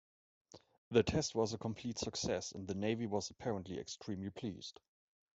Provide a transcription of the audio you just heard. The test was a complete success, and the Navy was apparently extremely pleased.